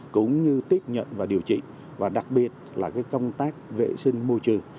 cũng như tiếp nhận và điều trị và đặc biệt là công tác vệ sinh môi trường